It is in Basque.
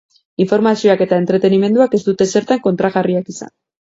Informazioak eta entretenimenduak ez dute zertan kontrajarriak izan.